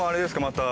また。